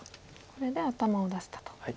これで頭を出せたと。